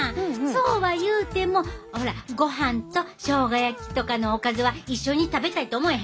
そうは言うてもごはんとしょうが焼きとかのおかずは一緒に食べたいと思えへん？